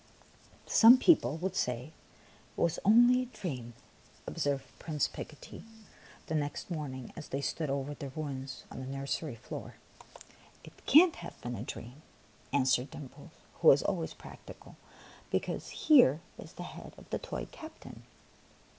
"Some people would say it was only a dream," observed Prince Picotee, the next morning, as they stood over the ruins on the nursery floor. THE PALACE ON THE FLOOR 145 *' It can't have been a dream/' answered Dimples, who was always practical, '' because here is the head of the toy captain."